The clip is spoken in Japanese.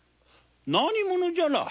何者じゃな？